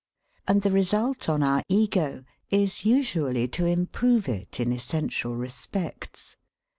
And the result on our Ego is usually to improve it in essential respects.